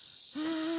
あ。